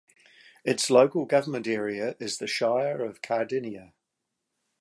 Its local government area is the Shire of Cardinia.